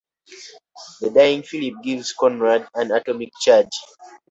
The dying Phillip gives Conrad an atomic charge.